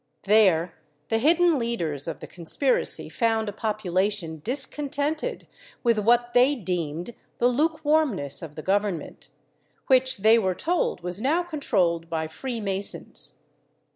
There the hidden leaders of the conspiracy found a population discontented with what they deemed the lukewarmness of the Government, which they were told was now controlled by Free Masons.